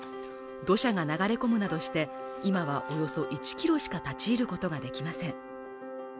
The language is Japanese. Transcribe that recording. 土砂が流れ込むなどして今はおよそ１キロしか立ち入ることができません